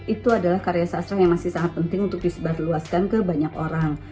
itu adalah karya sastra yang masih sangat penting untuk disebarluaskan ke banyak orang